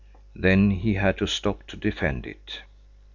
Then he had to stop to defend it.